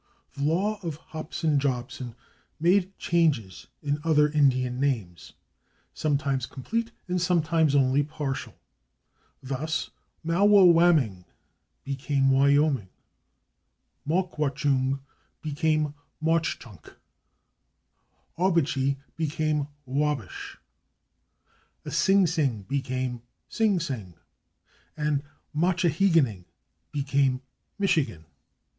The law of Hobson Jobson made changes in other Indian names, sometimes complete and sometimes only partial. Thus, /Mauwauwaming/ became /Wyoming/, /Maucwachoong/ became /Mauch Chunk/, /Ouabache/ became /Wabash/, /Asingsing/ became /Sing Sing/, and /Machihiganing/ became /Michigan